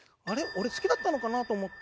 俺好きだったのかな？と思って。